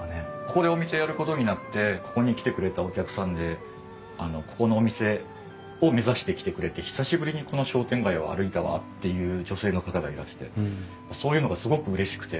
ここでお店やることになってここに来てくれたお客さんでここのお店を目指して来てくれて「久しぶりにこの商店街を歩いたわ」っていう女性の方がいらしてそういうのがすごくうれしくて。